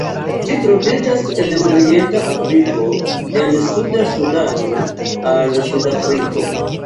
Ĝi troviĝas en orienta Afriko el suda Sudano al Sudafriko.